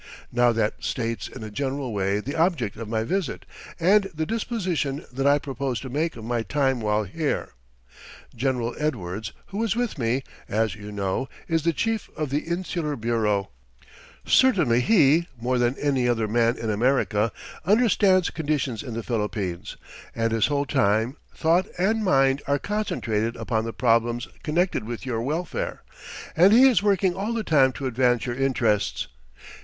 Now that states in a general way the object of my visit and the disposition that I propose to make of my time while here. General Edwards, who is with me, as you know, is the Chief of the Insular Bureau. Certainly he, more than any other man in America, understands conditions in the Philippines, and his whole time, thought and mind are concentrated upon the problems connected with your welfare, and he is working all the time to advance your interests.